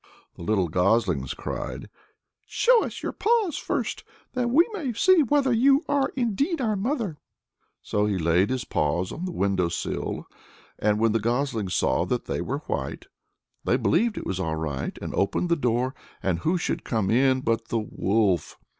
The little goslings cried, "Show us your paws first, that we may see whether you are indeed our mother." So he laid his paws on the window sill, and when the goslings saw that they were white, they believed it was all right, and opened the door; and who should come in but the wolf!